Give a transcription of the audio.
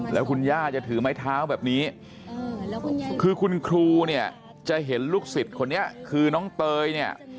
แล้วคุณย่าจะถือไม้เท้าแบบนี้คือคุณครูเนี่ยจะเห็นลูกศิษย์คนนี้คือน้องเตยเนี่ย